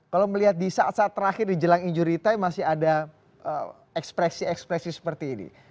kalau melihat di saat saat terakhir di jelang injury time masih ada ekspresi ekspresi seperti ini